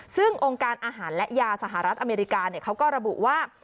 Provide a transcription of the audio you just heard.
ซึ่งองค์การอาหารและยาสหรัฐอเมริกาเขาก็ระบุว่า